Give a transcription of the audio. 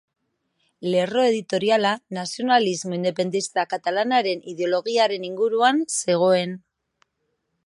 Lerro editoriala nazionalismo independentista katalanaren ideologiaren inguruan zegoen.